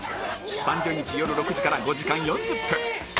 ３０日よる６時から５時間４０分